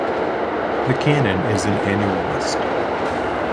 The Canon is an annual list.